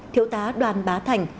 thiếu tá đoàn bá thành